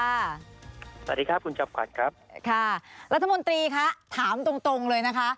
สวัสดีครับคุณจอมขวัญครับค่ะรัฐมนตรีคะถามตรงตรงเลยนะคะ